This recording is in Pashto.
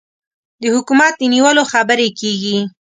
د حکومت د نیولو خبرې کېږي.